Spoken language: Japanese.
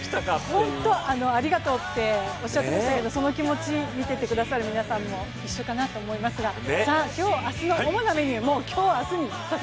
本当、ありがとうとおっしゃってましたけれども、その気持ち、見ていてくださる皆さんも一緒かなと思いますけど、今日、明日の主なメニュー。